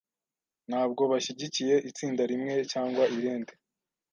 Ntabwo bashyigikiye itsinda rimwe cyangwa irindi.